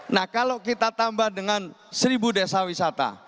nah kalau kita tambah dengan seribu desa wisata